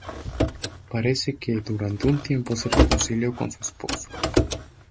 Parece que durante un tiempo se reconcilió con su esposo.